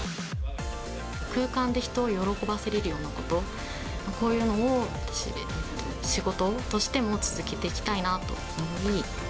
空間で人を喜ばせられるようなこと、こういうのを仕事としても続けていきたいと思うように。